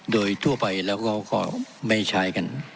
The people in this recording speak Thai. โดยทั่วไปแล้วเขาก็ไม่ใช้กัน